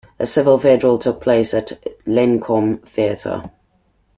A civil funeral took place at Lenkom theater.